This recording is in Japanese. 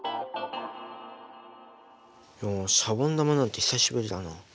おシャボン玉なんて久しぶりだな。